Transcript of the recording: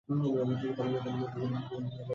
জন্তুটা ভাঁড়ারে চৌর্যবৃত্তিতে সুদক্ষ।